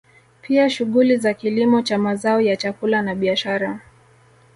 Pia shughuli za kilimo cha mazao ya chakula na biashara